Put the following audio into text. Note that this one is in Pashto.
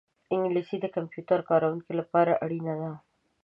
انګلیسي د کمپیوټر کاروونکو لپاره اړینه ده